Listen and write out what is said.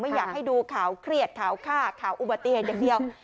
อยากให้ดูข่าวเครียดข่าวฆ่าข่าวอุบัติเหตุอย่างเดียว